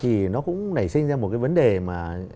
thì nó cũng nảy sinh ra một cái vấn đề mà